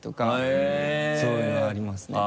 そういうのありますね。